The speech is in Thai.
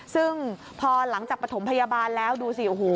ซึ่งพอหลังจากประถมพยาบาลแล้วดูสิ